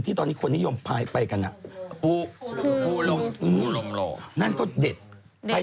แต่จริงมันมีอีกหลายจังหวัดเหมือนกัน